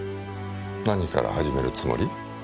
何から始めるつもり？